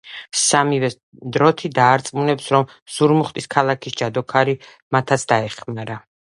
სამივეს დოროთი დაარწმუნებს, რომ ზურმუხტის ქალაქის ჯადოქარი მათაც დაეხმარება.